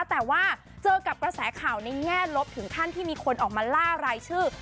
แต่ว่าเจอกับกระแสข่าวในแง่ลบถึงขั้นที่มีคนออกมาล่ารายชื่อ